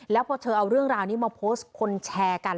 แล้วพอเธอเอาเรื่องราวนี้มาโพสต์คนแชร์กัน